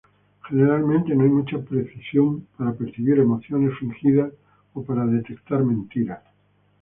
Generalmente no hay mucha precisión para percibir emociones fingidas o para detectar mentiras.